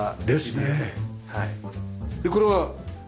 でこれは。